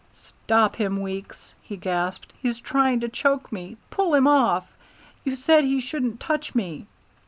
"Stop him, Weeks!" he gasped. "He's trying to choke me. Pull him off. You said he shouldn't touch me."